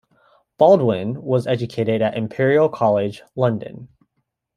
Baldwin was educated at Imperial College, London.